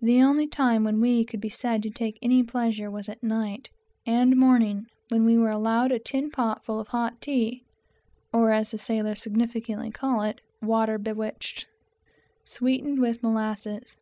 The only time when we could be said to take any pleasure was at night and morning, when we were allowed a tin pot full of hot tea, (or, as the sailors significantly call it, "water bewitched,") sweetened with molasses.